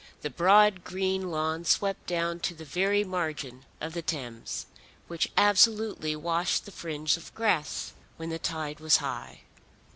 The broad green lawn swept down to the very margin of the Thames, which absolutely washed the fringe of grass when the tide was high.